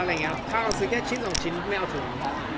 ถ้าเราซื้อแค่ชิ้นละชิ้นไม่เอาถุง